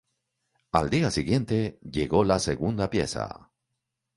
Al día siguiente llegó la segunda pieza.